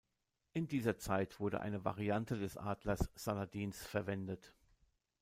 In dieser Zeit wurde eine Variante des Adlers Saladins verwendet.